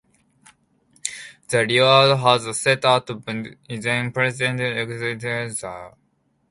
The reward was set out by then-President Lex Luthor.